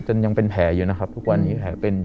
จนยังเป็นแผลอยู่นะครับทุกวันนี้